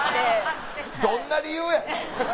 どんな理由や。